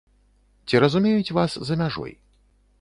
Ці разумеюць вас за мяжой?